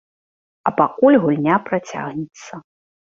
А пакуль гульня працягнецца.